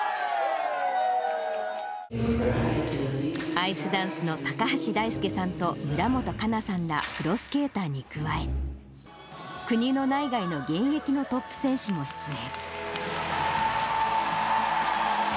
アイスダンスの高橋大輔さんとむらもとかなさんらプロスケーターに加え、国の内外の現役のトップ選手も出演。